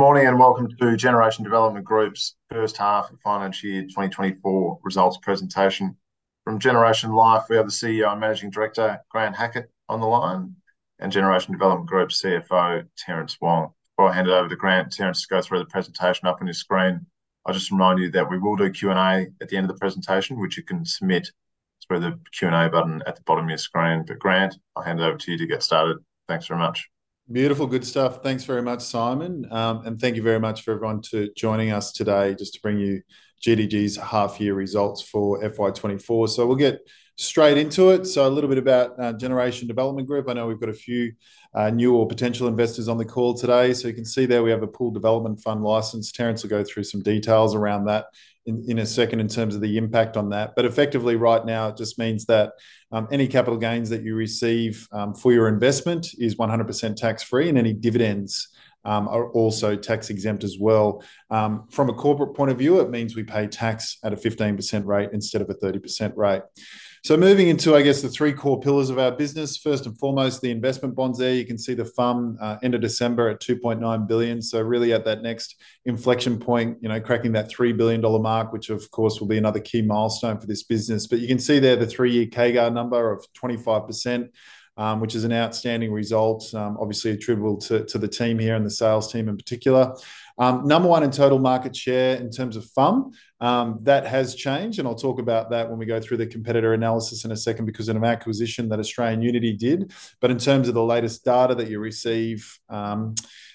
Morning and welcome to Generation Development Group's first half of finance year 2024 results presentation. From Generation Life, we have the CEO and Managing Director, Grant Hackett, on the line, and Generation Development Group CFO, Terence Wong. Before I hand it over to Grant, Terence, to go through the presentation up on your screen, I'll just remind you that we will do Q&A at the end of the presentation, which you can submit through the Q&A button at the bottom of your screen. But Grant, I'll hand it over to you to get started. Thanks very much. Beautiful good stuff. Thanks very much, Simon. Thank you very much for everyone joining us today just to bring you GDG's half-year results for FY24. We'll get straight into it. A little bit about Generation Development Group. I know we've got a few new or potential investors on the call today. You can see there we have a Pooled Development Fund license. Terence will go through some details around that in a second in terms of the impact on that. But effectively right now, it just means that any capital gains that you receive for your investment is 100% tax-free, and any dividends are also tax-exempt as well. From a corporate point of view, it means we pay tax at a 15% rate instead of a 30% rate. Moving into, I guess, the three core pillars of our business. First and foremost, the investment bonds there. You can see the fund end of December at 2.9 billion. Really at that next inflection point, cracking that 3 billion dollar mark, which of course will be another key milestone for this business. But you can see there the 3-year CAGR number of 25%, which is an outstanding result, obviously attributable to the team here and the sales team in particular. Number one in total market share in terms of fund, that has changed. I'll talk about that when we go through the competitor analysis in a second because of an acquisition that Australian Unity did. But in terms of the latest data that you receive,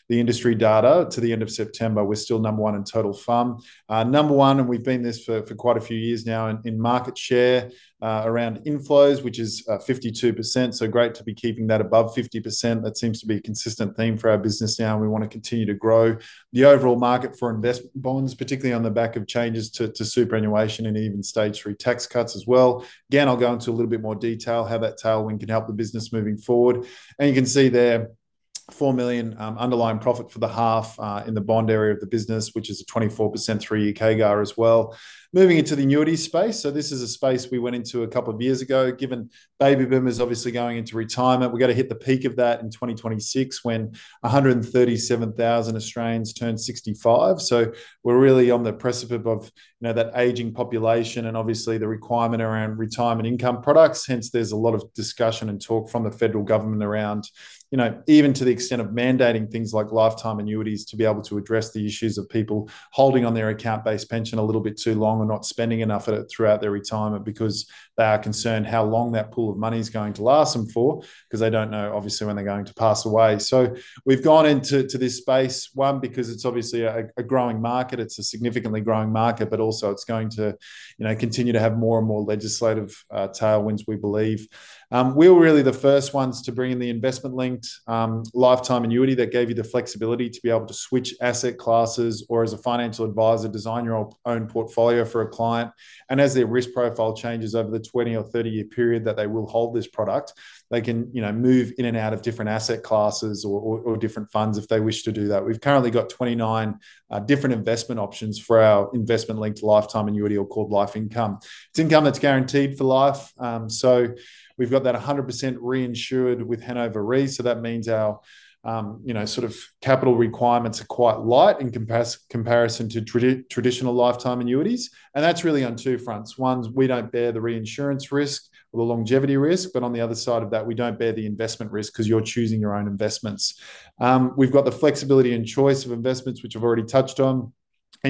the industry data to the end of September, we're still number one in total fund. Number one, and we've been this for quite a few years now in market share around inflows, which is 52% so great to be keeping that above 50% that seems to be a consistent theme for our business now, and we want to continue to grow. The overall market for investment bonds, particularly on the back of changes to superannuation and even Stage Three Tax Cuts as well. Again, I'll go into a little bit more detail, how that tailwind can help the business moving forward. You can see there 4 million underlying profit for the half in the bond area of the business, which is a 24% three-year CAGR as well. Moving into the annuities space. This is a space we went into a couple of years ago. Given baby boomers obviously going into retirement, we're going to hit the peak of that in 2026 when 137,000 Australians turn 65. We're really on the precipice of that aging population and obviously the requirement around retirement income products hence, there's a lot of discussion and talk from the federal government around, even to the extent of mandating things like lifetime annuities to be able to address the issues of people holding on their account-based pension a little bit too long or not spending enough of it throughout their retirement because they are concerned how long that pool of money is going to last them for because they don't know obviously when they're going to pass away. We've gone into this space, one, because it's obviously a growing market. It's a significantly growing market, but also it's going to continue to have more and more legislative tailwinds, we believe. We were really the first ones to bring in the investment-linked lifetime annuity that gave you the flexibility to be able to switch asset classes or, as a financial advisor, design your own portfolio for a client. As their risk profile changes over the 20- or 30-year period that they will hold this product. They can move in and out of different asset classes or different funds if they wish to do that we've currently got 29 different investment options for our investment-linked lifetime annuity, called LifeIncome. It's income that's guaranteed for life. We've got that 100% reinsured with Hannover Re. That means our sort of capital requirements are quite light in comparison to traditional lifetime annuities and that's really on two fronts. One, we don't bear the reinsurance risk or the longevity risk but on the other side of that, we don't bear the investment risk because you're choosing your own investments. We've got the flexibility and choice of investments, which I've already touched on.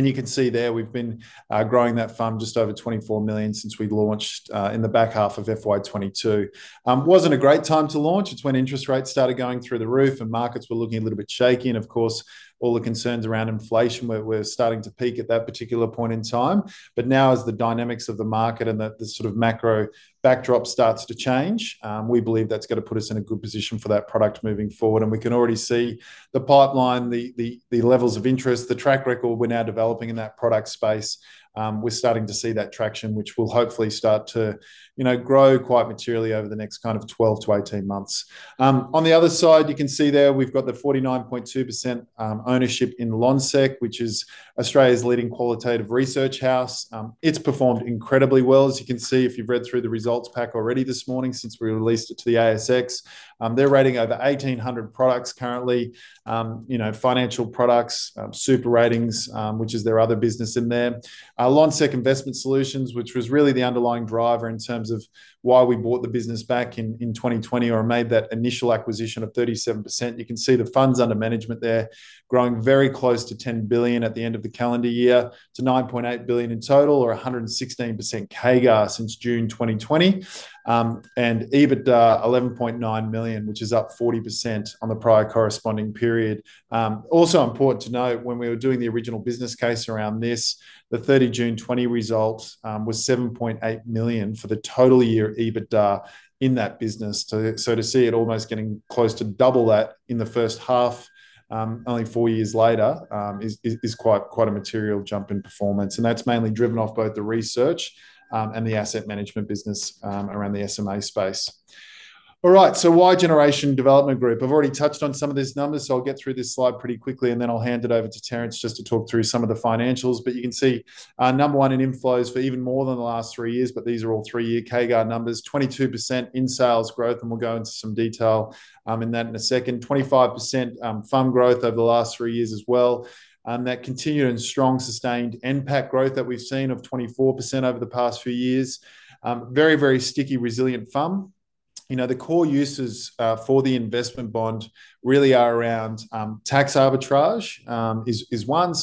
You can see there we've been growing that fund just over 24 million since we launched in the back half of FY22. Wasn't a great time to launch. It's when interest rates started going through the roof and markets were looking a little bit shaky and of course, all the concerns around inflation were starting to peak at that particular point in time. But now as the dynamics of the market and the sort of macro backdrop starts to change, we believe that's going to put us in a good position for that product moving forward and we can already see the pipeline, the levels of interest, the track record we're now developing in that product space. We're starting to see that traction, which will hopefully start to grow quite materially over the next kind of 12-18 months. On the other side, you can see there we've got the 49.2% ownership in Lonsec, which is Australia's leading qualitative research house. It's performed incredibly well. As you can see, if you've read through the results pack already this morning since we released it to the ASX, they're rating over 1,800 products currently, financial products, SuperRatings, which is their other business in there. Lonsec Investment Solutions, which was really the underlying driver in terms of why we bought the business back in 2020 or made that initial acquisition of 37% you can see the funds under management there growing very close to 10 billion at the end of the calendar year to 9.8 billion in total or 116% CAGR since June 2020. EBITDA 11.9 million, which is up 40% on the prior corresponding period. Also important to note, when we were doing the original business case around this, the 30 June 2020 result was 7.8 million for the total year EBITDA in that business to see it almost getting close to double that in the first half, only four years later, is quite a material jump in performance and that's mainly driven off both the research and the asset management business around the SMA space. All right. Why Generation Development Group? I've already touched on some of these numbers i'll get through this slide pretty quickly, and then I'll hand it over to Terence just to talk through some of the financials. But you can see number one in inflows for even more than the last three years, but these are all 3-year CAGR numbers, 22% in-sales growth, and we'll go into some detail in that in a second, 25% fund growth over the last three years as well. That continued and strong sustained NPAT growth that we've seen of 24% over the past few years. Very, very sticky, resilient fund. The core uses for the investment bond really are around tax arbitrage is one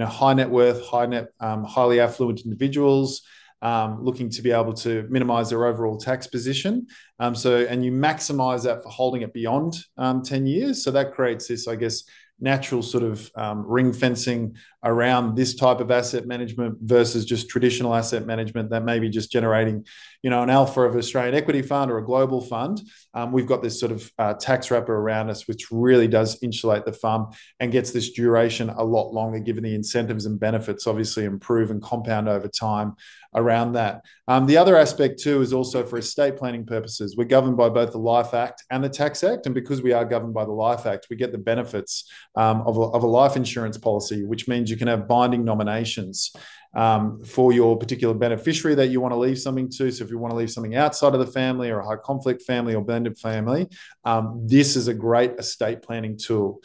high net worth, high net, highly affluent individuals looking to be able to minimize their overall tax position. You maximize that for holding it beyond 10 years that creates this, I guess, natural sort of ring fencing around this type of asset management versus just traditional asset management that may be just generating an alpha of Australian equity fund or a global fund. We've got this sort of tax wrapper around us, which really does insulate the fund and gets this duration a lot longer given the incentives and benefits obviously improve and compound over time around that. The other aspect too is also for estate planning purposes we're governed by both the Life Act and the Tax Act. And because we are governed by the Life Act, we get the benefits of a life insurance policy, which means you can have binding nominations. For your particular beneficiary that you want to leave something to so if you want to leave something outside of the family or a high-conflict family or blended family, this is a great estate planning tool.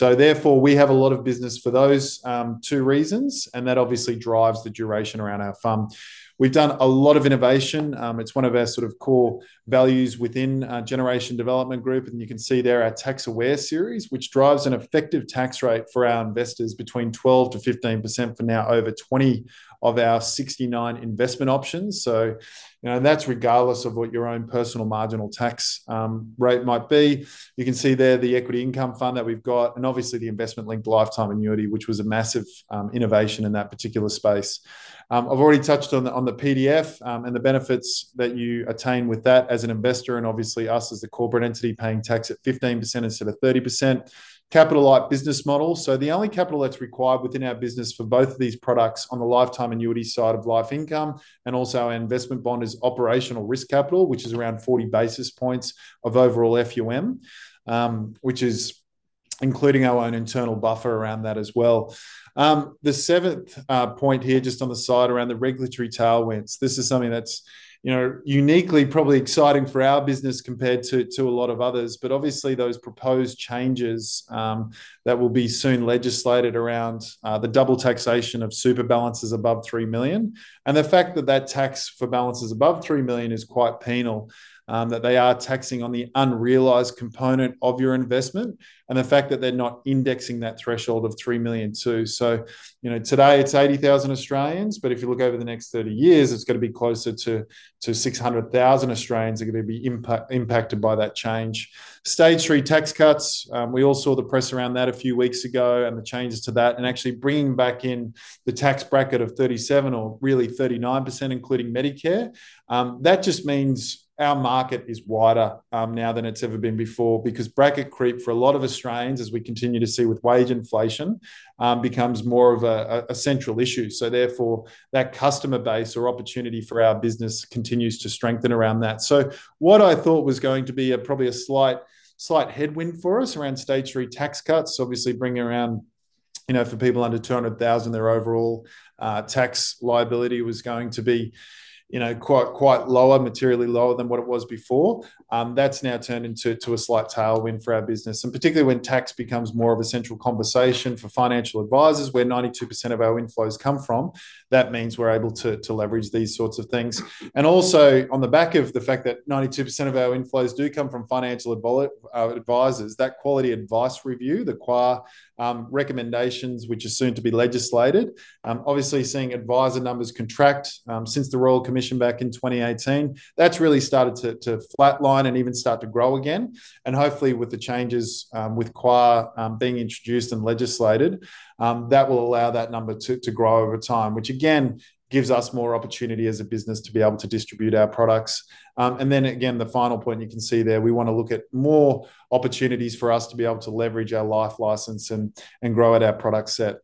Therefore, we have a lot of business for those two reasons, and that obviously drives the duration around our fund. We've done a lot of innovation. It's one of our sort of core values within Generation Development Group. You can see there our Tax Aware Series, which drives an effective tax rate for our investors between 12%-15% for now over 20% of our 69 investment options. That's regardless of what your own personal marginal tax rate might be. You can see there the equity income fund that we've got and obviously the investment-linked lifetime annuity, which was a massive innovation in that particular space. I've already touched on the PDF and the benefits that you attain with that as an investor and obviously us as the corporate entity paying tax at 15% instead of 30%. Capital-light business model the only capital that's required within our business for both of these products on the lifetime annuity side of LifeIncome and also our investment bond is operational risk capital, which is around 40 basis points of overall FUM, which is including our own internal buffer around that as well. The 7th point here just on the side around the regulatory tailwinds, this is something that's uniquely probably exciting for our business compared to a lot of others but obviously those proposed changes that will be soon legislated around the double taxation of super balances above 3 million. The fact that that tax for balances above 3 million is quite penal, that they are taxing on the unrealized component of your investment and the fact that they're not indexing that threshold of 3 million too. Today it's 80,000 Australians, but if you look over the next 30 years, it's going to be closer to 600,000 Australians are going to be impacted by that change. Stage Three Tax Cuts. We all saw the press around that a few weeks ago and the changes to that and actually bringing back in the tax bracket of 37% or really 39% including Medicare. That just means our market is wider now than it's ever been before because bracket creep for a lot of Australians, as we continue to see with wage inflation, becomes more of a central issue. Therefore, that customer base or opportunity for our business continues to strengthen around that. What I thought was going to be probably a slight headwind for us around Stage Three Tax Cuts, obviously bringing around for people under 200,000, their overall tax liability was going to be quite lower, materially lower than what it was before. That's now turned into a slight tailwind for our business and particularly when tax becomes more of a central conversation for financial advisors where 92% of our inflows come from, that means we're able to leverage these sorts of things. Also on the back of the fact that 92% of our inflows do come from financial advisors, that Quality of Advice Review, the COAR recommendations, which are soon to be legislated, obviously seeing advisor numbers contract since the Royal Commission back in 2018, that's really started to flatline and even start to grow again. Hopefully with the changes with COAR being introduced and legislated, that will allow that number to grow over time, which again gives us more opportunity as a business to be able to distribute our products. Then again, the final point you can see there, we want to look at more opportunities for us to be able to leverage our life license and grow at our product set.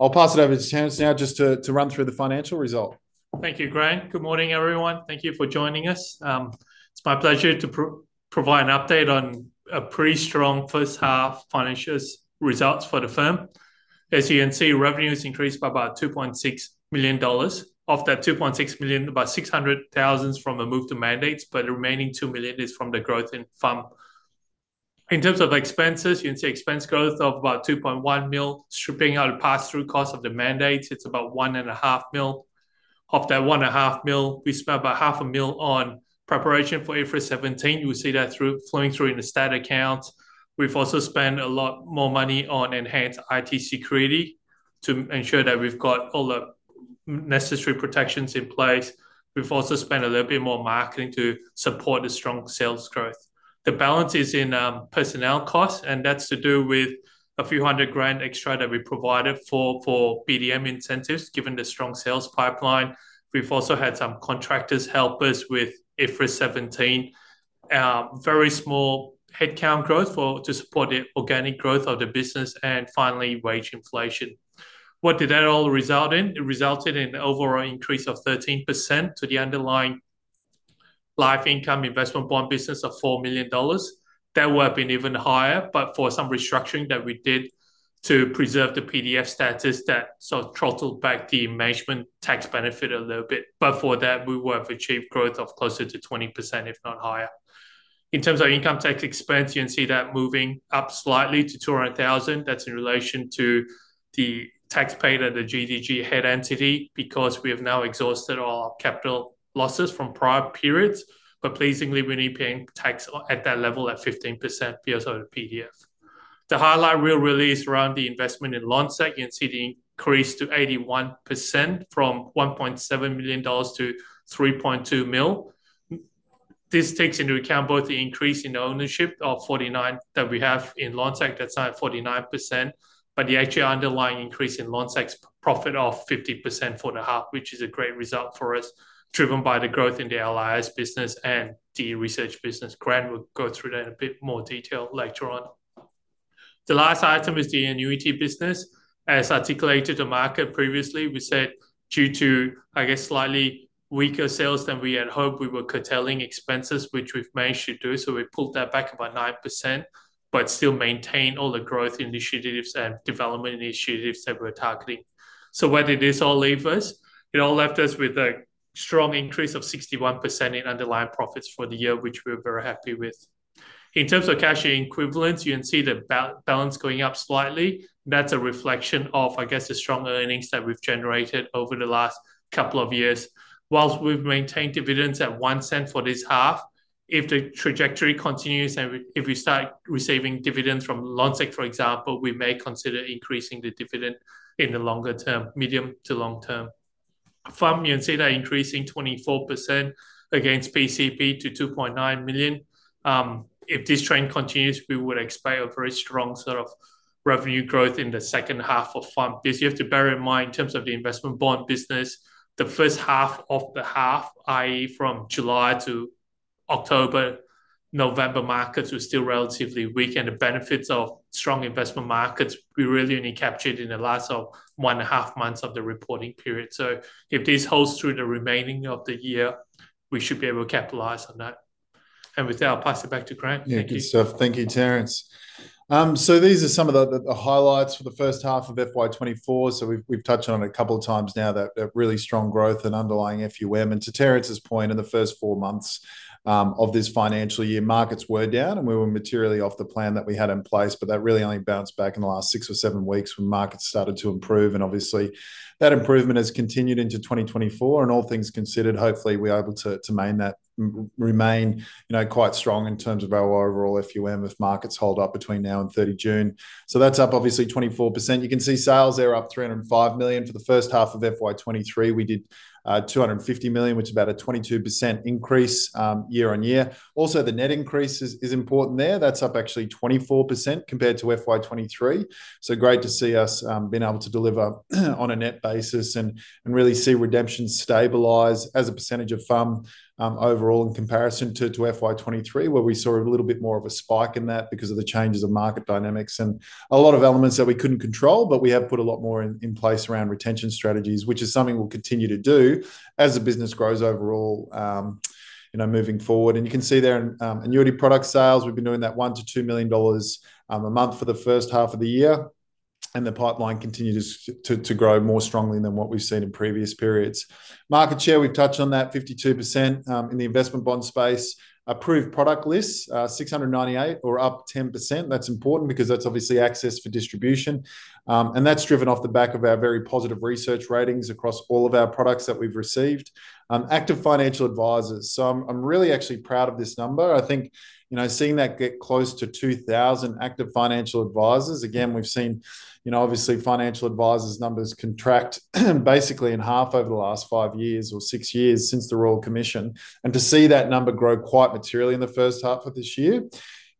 I'll pass it over to Terence now just to run through the financial result. Thank you, Grant. Good morning, everyone. Thank you for joining us. It's my pleasure to provide an update on a pretty strong first half financial results for the firm. As you can see, revenue has increased by about 2.6 million dollars. Of that 2.6 million, about 600,000 from the move to mandates, but the remaining 2 million is from the growth in fund. In terms of expenses, you can see expense growth of about 2.1 million stripping out the pass-through cost of the mandates it's about 1.5 million. Of that 1.5 million, we spent about 0.5 million on preparation for AASB 17 you will see that flowing through in the stat accounts. We've also spent a lot more money on enhanced IT security to ensure that we've got all the necessary protections in place. We've also spent a little bit more marketing to support the strong sales growth. The balance is in personnel costs, and that's to do with a few 100,000 extra that we provided for BDM incentives given the strong sales pipeline. We've also had some contractors help us with AASB 17, very small headcount growth to support the organic growth of the business and finally wage inflation. What did that all result in? It resulted in an overall increase of 13% to the underlying life income investment bond business of 4 million dollars. That would have been even higher, but for some restructuring that we did to preserve the PDF status that sort of throttled back the management tax benefit a little bit but for that, we would have achieved growth of closer to 20%, if not higher. In terms of income tax expense, you can see that moving up slightly to 200,000. That's in relation to the tax payable and the GDG head entity because we have now exhausted all our capital losses from prior periods. But pleasingly, we need paying tax at that level at 15% PSO to PDF. The highlight real release around the investment in Lonsec, you can see the increase to 81% from 1.7-3.2 million dollars. This takes into account both the increase in ownership of 49 that we have in Lonsec, that's not 49%, but the actual underlying increase in Lonsec's profit of 50% for the half, which is a great result for us driven by the growth in the LIS business and the research business Graham will go through that in a bit more detail later on. The last item is the annuity business. As articulated to market previously, we said due to, I guess, slightly weaker sales than we had hoped, we were curtailing expenses, which we've managed to do we pulled that back about 9%, but still maintained all the growth initiatives and development initiatives that we were targeting. Whether this all leaves us, it all left us with a strong increase of 61% in underlying profits for the year, which we were very happy with. In terms of cash equivalence, you can see the balance going up slightly. That's a reflection of, I guess, the strong earnings that we've generated over the last couple of years. While we've maintained dividends at 0.01 for this half, if the trajectory continues and if we start receiving dividends from Lonsec, for example, we may consider increasing the dividend in the longer term, medium to long term. Fund, you can see that increasing 24% against PCP to 2.9 million. If this trend continues, we would expect a very strong sort of revenue growth in the second half of fund you have to bear in mind in terms of the investment bond business, the first half of the half, i.e., from July to October, November markets were still relatively weak the benefits of strong investment markets, we really only captured in the last one and a half months of the reporting period. If this holds through the remaining of the year, we should be able to capitalize on that. With that, I'll pass it back to Grant. Thank you. Thank you, Terence. These are some of the highlights for the first half of FY24. We've touched on it a couple of times now, that really strong growth and underlying FUM and to Terence's point, in the first four months of this financial year, markets were down and we were materially off the plan that we had in place but that really only bounced back in the last six or seven weeks when markets started to improve. Obviously, that improvement has continued into 2024. And all things considered, hopefully we're able to remain quite strong in terms of our overall FUM if markets hold up between now and 30 June. That's up obviously 24% you can see sales are up 305 million for the first half of FY23 we did 250 million, which is about a 22% increase year-on-year. Also, the net increase is important there. That's up actually 24% compared to FY23. Great to see us being able to deliver on a net basis and really see redemption stabilise as a percentage of fund overall in comparison to FY23, where we saw a little bit more of a spike in that because of the changes of market dynamics and a lot of elements that we couldn't control, but we have put a lot more in place around retention strategies, which is something we'll continue to do. As the business grows overall moving forward and you can see there in annuity product sales, we've been doing that 1-2 million dollars a month for the first half of the year. The pipeline continued to grow more strongly than what we've seen in previous periods. Market share, we've touched on that, 52% in the investment bond space. Approved Product Lists, 698 or up 10% that's important because that's obviously access for distribution. That's driven off the back of our very positive research ratings across all of our products that we've received. Active financial advisors. I'm really actually proud of this number. I think seeing that get close to 2,000 active financial advisors, again, we've seen obviously financial advisors numbers contract basically in half over the last five years or six years since the Royal Commission. To see that number grow quite materially in the first half of this year,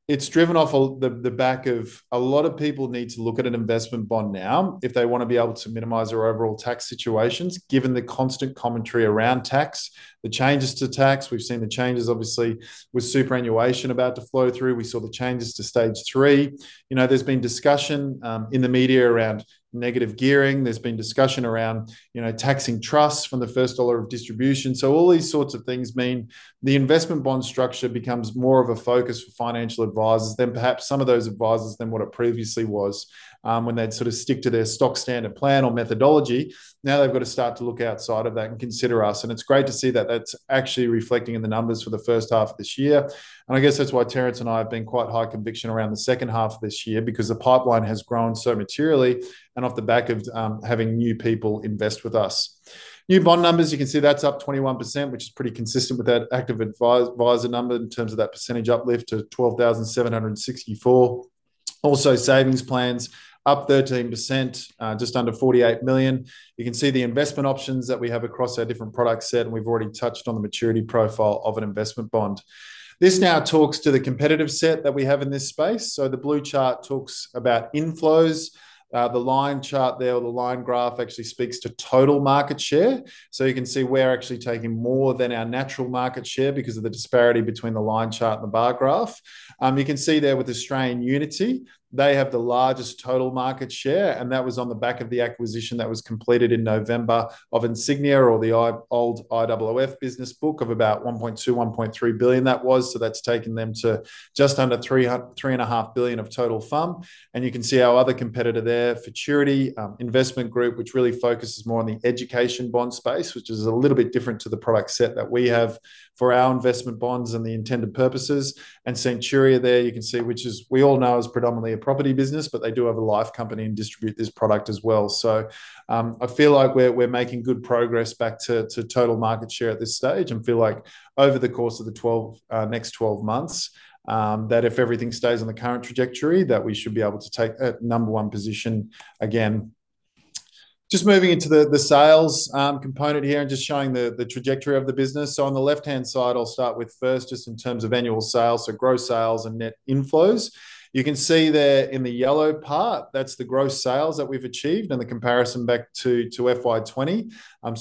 it's driven off the back of a lot of people need to look at an investment bond now if they want to be able to minimize their overall tax situations given the constant commentary around tax, the changes to tax we've seen the changes obviously with superannuation about to flow through we saw the changes to stage three. There's been discussion in the media around negative gearing there's been discussion around taxing trusts from the first dollar of distribution all these sorts of things mean the investment bond structure becomes more of a focus for financial advisors than perhaps some of those advisors than what it previously was when they'd sort of stick to their stock standard plan or methodology. Now they've got to start to look outside of that and consider us and it's great to see that that's actually reflecting in the numbers for the first half of this year. I guess that's why Terence and I have been quite high conviction around the second half of this year because the pipeline has grown so materially and off the back of having new people invest with us. New bond numbers, you can see that's up 21%, which is pretty consistent with that active advisor number in terms of that percentage uplift to 12,764. Also savings plans, up 13%, just under 48 million. You can see the investment options that we have across our different product set, and we've already touched on the maturity profile of an investment bond. This now talks to the competitive set that we have in this space. The blue chart talks about inflows. The line chart there or the line graph actually speaks to total market share. You can see we're actually taking more than our natural market share because of the disparity between the line chart and the bar graph. You can see there with Australian Unity, they have the largest total market share, and that was on the back of the acquisition that was completed in November of Insignia or the old IOOF business book of about 1.2-1.3 billion that was that's taken them to just under 3.5 billion of total fund. You can see our other competitor there, Futurity Investment Group, which really focuses more on the education bond space, which is a little bit different to the product set that we have for our investment bonds and the intended purposes. And Centuria there, you can see, which we all know is predominantly a property business, but they do have a life company and distribute this product as well. I feel like we're making good progress back to total market share at this stage and feel like over the course of the next 12 months, that if everything stays on the current trajectory, that we should be able to take that number one position again. Just moving into the sales component here and just showing the trajectory of the business on the left-hand side, I'll start with first just in terms of annual sales, so gross sales and net inflows. You can see there in the yellow part, that's the gross sales that we've achieved and the comparison back to FY20.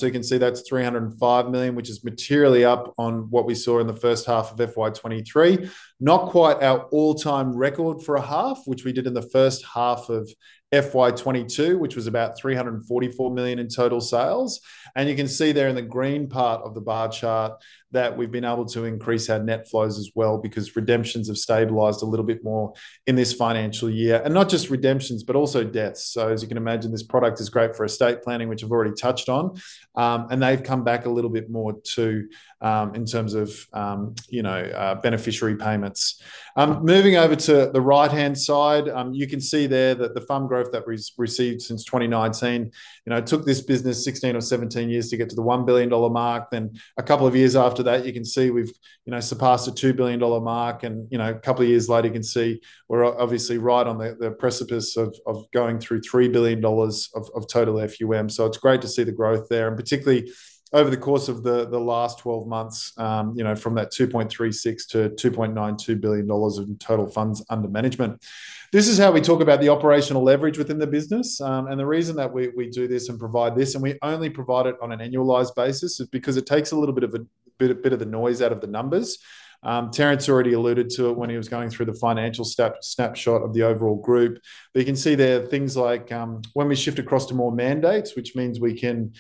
You can see that's 305 million, which is materially up on what we saw in the first half of FY23. Not quite our all-time record for a half, which we did in the first half of FY22, which was about 344 million in total sales. You can see there in the green part of the bar chart that we've been able to increase our net flows as well because redemptions have stabilised a little bit more in this financial year. Not just redemptions, but also deaths. As you can imagine, this product is great for estate planning, which I've already touched on. They've come back a little bit more too in terms of beneficiary payments. Moving over to the right-hand side, you can see there that the fund growth that we've received since 2019 took this business 16 or 17 years to get to the 1 billion dollar mark. Then a couple of years after that, you can see we've surpassed the 2 billion dollar mark and a couple of years later, you can see we're obviously right on the precipice of going through 3 billion dollars of total FUM it's great to see the growth there, and particularly over the course of the last 12 months from 2.36-2.92 billion dollars of total funds under management. This is how we talk about the operational leverage within the business. The reason that we do this and provide this, and we only provide it on an annualized basis, is because it takes a little bit of a bit of the noise out of the numbers. Terence already alluded to it when he was going through the financial snapshot of the overall group. But you can see there are things like when we shift across to more mandates, which means we can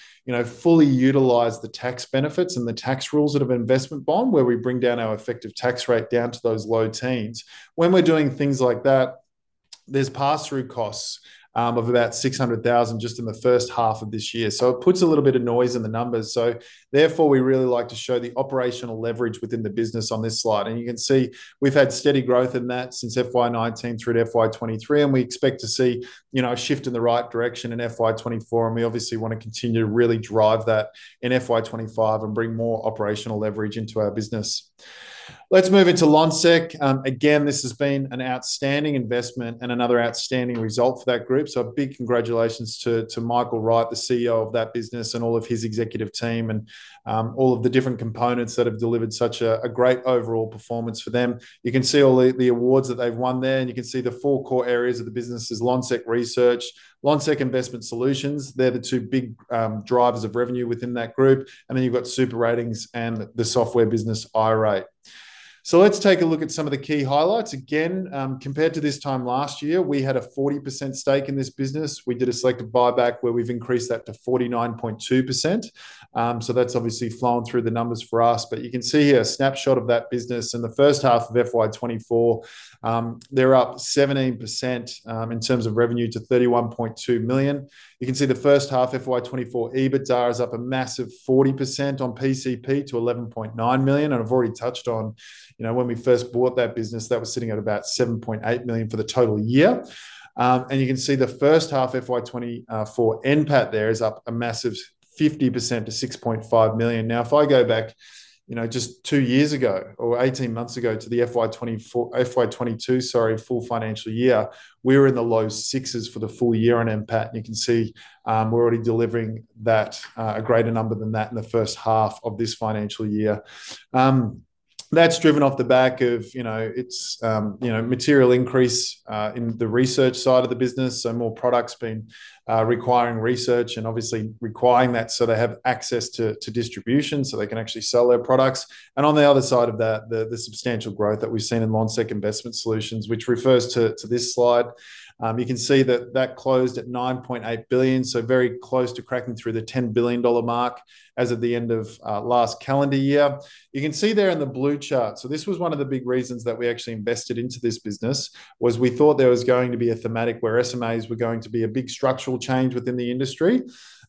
fully utilize the tax benefits and the tax rules that have investment bond where we bring down our effective tax rate down to those low teens. When we're doing things like that, there's pass-through costs of about 600,000 just in the first half of this year. It puts a little bit of noise in the numbers. Therefore, we really like to show the operational leverage within the business on this slide. You can see we've had steady growth in that since FY19 through to FY23, and we expect to see a shift in the right direction in FY24 and we obviously want to continue to really drive that in FY25 and bring more operational leverage into our business. Let's move into Lonsec. Again, this has been an outstanding investment and another outstanding result for that group a big congratulations to Michael Wright, the CEO of that business and all of his executive team and all of the different components that have delivered such a great overall performance for them. You can see all the awards that they've won there you can see the four core areas of the business is Lonsec Research, Lonsec Investment Solutions. They're the two big drivers of revenue within that group. Then you've got SuperRatings and the software business iRate. Let's take a look at some of the key highlights. Again, compared to this time last year, we had a 40% stake in this business. We did a selective buyback where we've increased that to 49.2%. That's obviously flown through the numbers for us but you can see here a snapshot of that business in the first half of FY24. They're up 17% in terms of revenue to 31.2 million. You can see the first half FY24 EBITDA is up a massive 40% on PCP to 11.9 million and I've already touched on when we first bought that business, that was sitting at about 7.8 million for the total year. You can see the first half FY24 NPAT there is up a massive 50% to 6.5 million. Now, if I go back just two years ago or 18 months ago to the FY22, sorry, full financial year, we were in the low sixes for the full year on NPAT and you can see we're already delivering a greater number than that in the first half of this financial year. That's driven off the back of its material increase in the research side of the business more products been requiring research and obviously requiring that so they have access to distribution so they can actually sell their products. On the other side of that, the substantial growth that we've seen in Lonsec Investment Solutions, which refers to this slide, you can see that that closed at 9.8 billion so very close to cracking through the 10 billion dollar mark as of the end of last calendar year. You can see there in the blue chart, so this was one of the big reasons that we actually invested into this business was we thought there was going to be a thematic where SMAs were going to be a big structural change within the industry.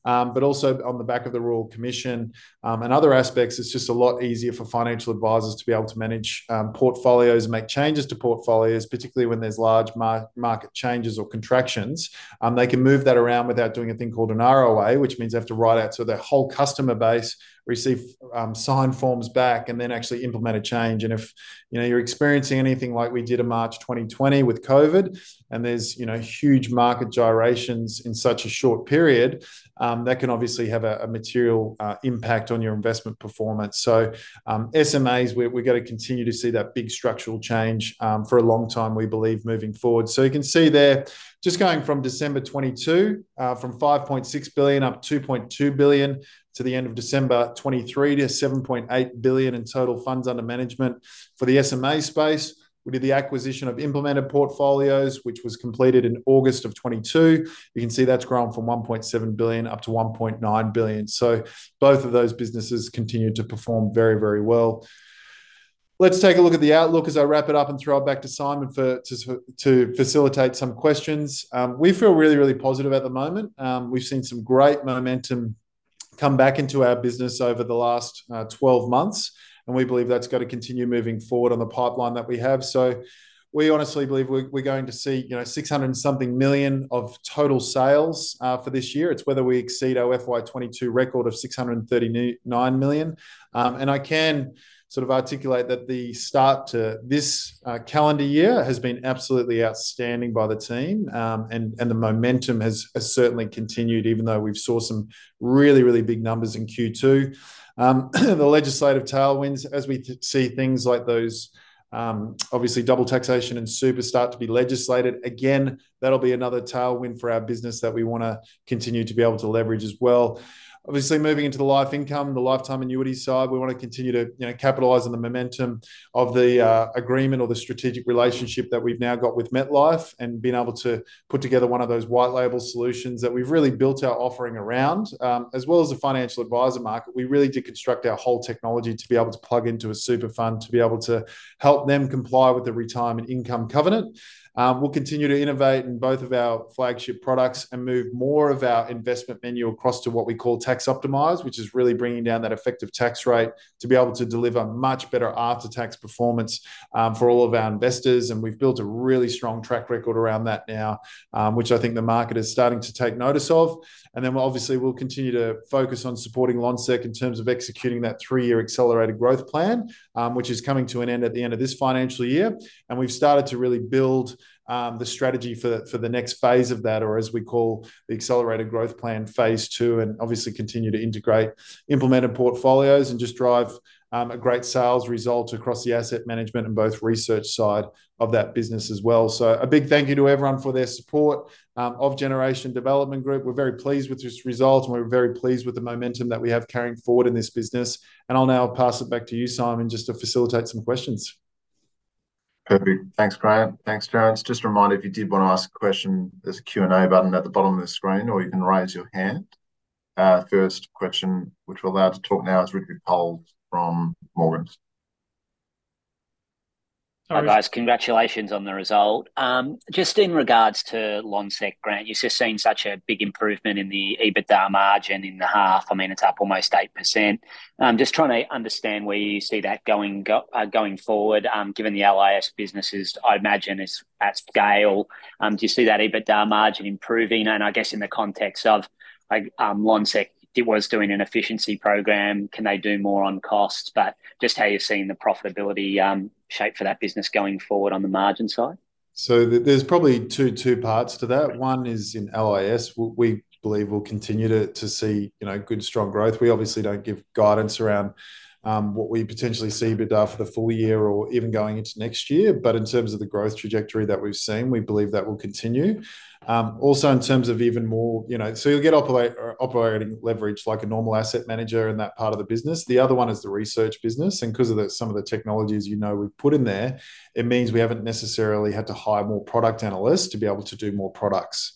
But also on the back of the Royal Commission and other aspects, it's just a lot easier for financial advisors to be able to manage portfolios and make changes to portfolios, particularly when there's large market changes or contractions. They can move that around without doing a thing called an ROA, which means they have to write out so their whole customer base receive signed forms back and then actually implement a change. If you're experiencing anything like we did in March 2020 with COVID and there's huge market gyrations in such a short period, that can obviously have a material impact on your investment performance. SMAs, we're going to continue to see that big structural change for a long time, we believe, moving forward. You can see there just going from December 2022, from 5.6-2.2 billion to the end of December 2023 to 7.8 billion in total funds under management for the SMA space. We did the acquisition of Implemented Portfolios, which was completed in August 2022. You can see that's grown from 1.7-1.9 billion. Both of those businesses continued to perform very, very well. Let's take a look at the outlook as I wrap it up and throw it back to Simon to facilitate some questions. We feel really, really positive at the moment. We've seen some great momentum come back into our business over the last 12 months. We believe that's going to continue moving forward on the pipeline that we have. We honestly believe we're going to see 600+ million of total sales for this year it's whether we exceed our FY22 record of 639 million. I can sort of articulate that the start to this calendar year has been absolutely outstanding by the team. The momentum has certainly continued even though we've saw some really, really big numbers in Q2. The legislative tailwinds, as we see things like those obviously double taxation and super start to be legislated, again, that'll be another tailwind for our business that we want to continue to be able to leverage as well. Obviously, moving into the life income, the lifetime annuity side, we want to continue to capitalize on the momentum of the agreement or the strategic relationship that we've now got with MetLife and been able to put together one of those white label solutions that we've really built our offering around. As well as the financial advisor market, we really deconstruct our whole technology to be able to plug into a super fund to be able to help them comply with the Retirement Income Covenant. We'll continue to innovate in both of our flagship products and move more of our investment menu across to what we call Tax Optimised, which is really bringing down that effective tax rate to be able to deliver much better after-tax performance for all of our investors. We've built a really strong track record around that now, which I think the market is starting to take notice of. Then obviously, we'll continue to focus on supporting Lonsec in terms of executing that three-year accelerated growth plan, which is coming to an end at the end of this financial year. We've started to really build the strategy for the next phase of that, or as we call the accelerated growth plan phase two, and obviously continue to integrate Implemented Portfolios and just drive a great sales result across the asset management and both research side of that business as well. A big thank you to everyone for their support of Generation Development Group we're very pleased with this result, and we're very pleased with the momentum that we have carrying forward in this business. I'll now pass it back to you, Simon, just to facilitate some questions. Perfect. Thanks, Grant. Thanks, Terence. Just a reminder, if you did want to ask a question, there's a Q&A button at the bottom of the screen, or you can raise your hand. First question, which we're allowed to talk now, is Ridley Polson from Morgans. Hi guys. Congratulations on the result. Just in regards to Lonsec Grant, you've just seen such a big improvement in the EBITDA margin in the half. I mean, it's up almost 8%. Just trying to understand where you see that going forward. Given the LIS businesses, I imagine it's at scale. Do you see that EBITDA margin improving? and I guess in the context of Lonsec, it was doing an efficiency program. Can they do more on costs? But just how you're seeing the profitability shape for that business going forward on the margin side? There's probably two parts to that. One is in LIS, we believe we'll continue to see good, strong growth we obviously don't give guidance around what we potentially see for the full year or even going into next year. But in terms of the growth trajectory that we've seen, we believe that will continue. Also in terms of even more so you'll get operating leverage like a normal asset manager in that part of the business the other one is the research business and because of some of the technologies we've put in there, it means we haven't necessarily had to hire more product analysts to be able to do more products.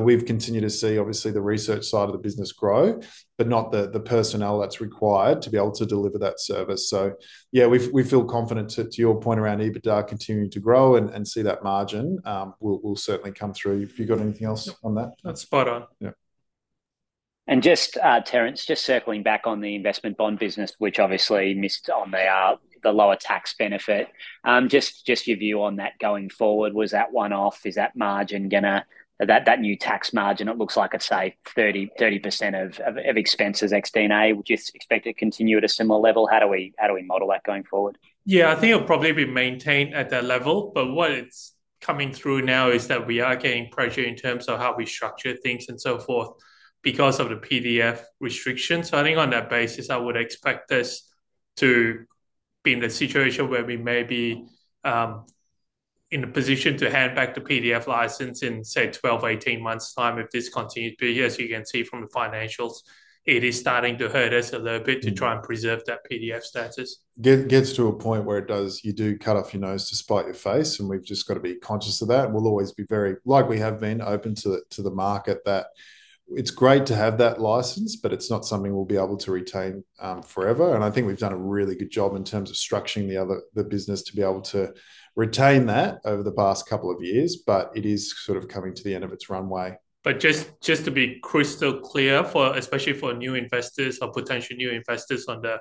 We've continued to see, obviously, the research side of the business grow, but not the personnel that's required to be able to deliver that service. Yeah, we feel confident, to your point around EBITDA, continuing to grow and see that margin will certainly come through. If you've got anything else on that? That's spot on. Just Terence, just circling back on the investment bond business, which obviously missed on the lower tax benefit. Just your view on that going forward, was that one-off? Is that margin going to that new tax margin, it looks like it's, say, 30% of expenses ex D&A? Would you expect it to continue at a similar level? How do we model that going forward? Yeah, I think it'll probably be maintained at that level. But what it's coming through now is that we are getting pressure in terms of how we structure things and so forth because of the PDF restrictions. I think on that basis, I would expect this to be in the situation where we may be in a position to hand back the PDF license in, say, 12-18 months' time if this continues but as you can see from the financials, it is starting to hurt us a little bit to try and preserve that PDF status. Gets to a point where you do cut off your nose to spite your face and we've just got to be conscious of that and we'll always be very, like we have been, open to the market that it's great to have that license, but it's not something we'll be able to retain forever. I think we've done a really good job in terms of structuring the business to be able to retain that over the past couple of years but it is sort of coming to the end of its runway. But just to be crystal clear, especially for new investors or potential new investors on the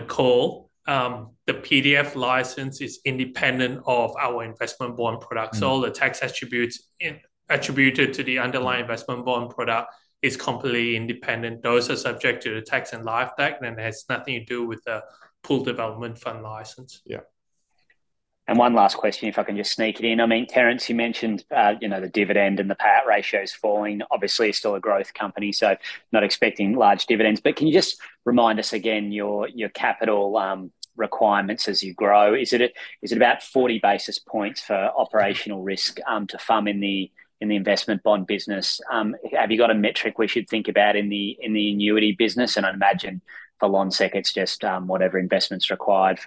call, the PDF license is independent of our investment bond product. All the tax attributed to the underlying investment bond product is completely independent. Those are subject to the tax in LifeTime and has nothing to do with the Pooled Development Fund license. Yeah. One last question, if I can just sneak it in. I mean, Terence, you mentioned the dividend and the PAT ratios falling. Obviously, it's still a growth company. Not expecting large dividends. But can you just remind us again your capital requirements as you grow? Is it about 40 basis points for operational risk to fund in the investment bond business? Have you got a metric we should think about in the annuity business? And I imagine for Lonsec, it's just whatever investment's required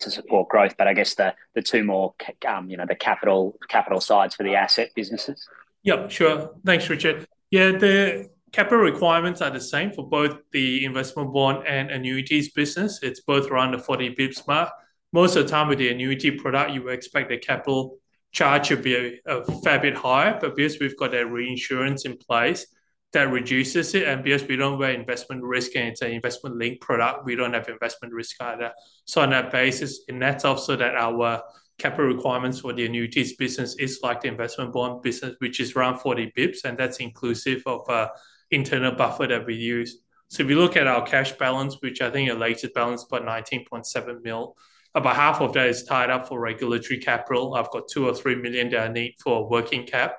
to support growth but I guess the two more, the capital sides for the asset businesses. Yeah, sure. Thanks, Richard. Yeah, the capital requirements are the same for both the investment bond and annuities business. It's both around the 40 basis points mark. Most of the time with the annuity product, you expect the capital charge to be a fair bit higher. But because we've got that reinsurance in place, that reduces it. Because we don't bear investment risk and it's an investment-linked product, we don't have investment risk either. On that basis, it's also that our capital requirements for the annuities business is like the investment bond business, which is around 40 basis points and that's inclusive of internal buffer that we use. If you look at our cash balance, which I think your latest balance is about 19.7 million, about half of that is tied up for regulatory capital i've got 2 or 3 million that I need for working cap.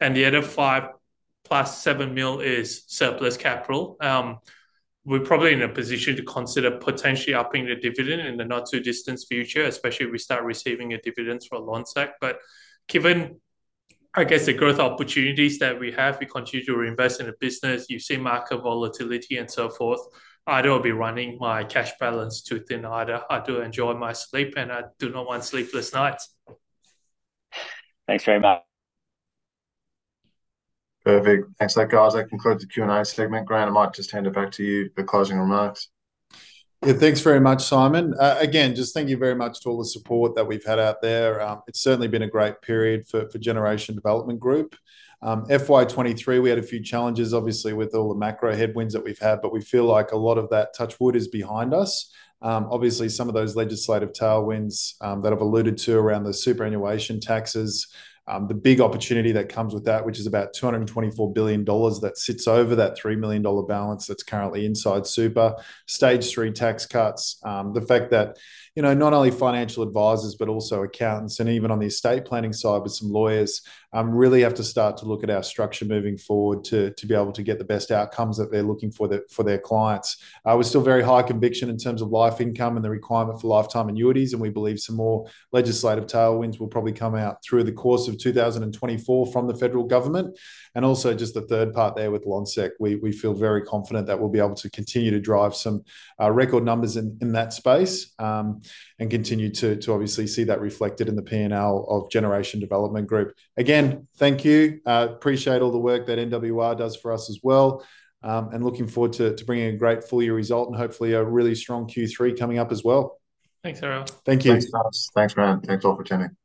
5 million + 7 million is surplus capital. We're probably in a position to consider potentially upping the dividend in the not-too-distant future, especially if we start receiving a dividend from Lonsec. But given, I guess, the growth opportunities that we have, we continue to reinvest in the business you see market volatility and so forth. I don't want to be running my cash balance too thin either. I do enjoy my sleep, and I do not want sleepless nights. Thanks very much. Perfect. Thanks, Ridley. As I conclude the Q&A segment, Brian, I might just hand it back to you for closing remarks. Yeah, thanks very much, Simon. Again, just thank you very much to all the support that we've had out there. It's certainly been a great period for Generation Development Group. FY23, we had a few challenges, obviously, with all the macro headwinds that we've had. But we feel like a lot of that touch wood is behind us. Obviously, some of those legislative tailwinds that I've alluded to around the superannuation taxes, the big opportunity that comes with that, which is about 224 billion dollars that sits over that 3 million dollar balance that's currently inside super, Stage Three Tax Cuts, the fact that not only financial advisors, but also accountants, and even on the estate planning side with some lawyers, really have to start to look at our structure moving forward to be able to get the best outcomes that they're looking for their clients. We're still very high conviction in terms of LifeIncome and the requirement for lifetime annuities and we believe some more legislative tailwinds will probably come out through the course of 2024 from the federal government. Also just the third part there with Lonsec, we feel very confident that we'll be able to continue to drive some record numbers in that space and continue to obviously see that reflected in the P&L of Generation Development Group. Again, thank you. Appreciate all the work that NWR does for us as well. And looking forward to bringing a great full-year result and hopefully a really strong Q3 coming up as well. Thanks, Errol. Thank you. Thanks, Mark. Thanks, Brian. Thanks all for tuning in.